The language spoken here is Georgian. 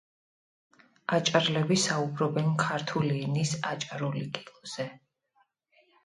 აჭარლები საუბრობენ ქართული ენის აჭარული კილოზე.